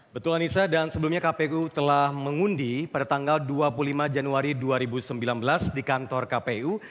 betul anissa dan sebelumnya kpu telah mengundi pada tanggal dua puluh lima januari dua ribu sembilan belas di kantor kpu